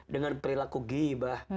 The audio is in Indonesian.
dengan perilaku geibah